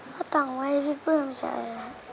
เพราะต่างว่าให้พี่ปื้มใช้อะไร